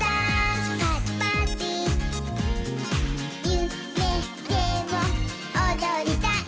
「ゆめでもおどりたい」